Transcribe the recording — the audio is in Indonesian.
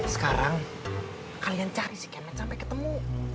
sekarang kalian cari si kemet sampai ketemu